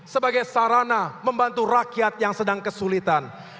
sebagai sarana membantu rakyat yang sedang kesulitan